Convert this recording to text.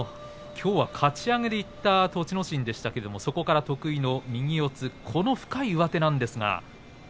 きょうはかち上げていった栃ノ心でしたけれども、そこから得意の右四つこの深い上手なんですが。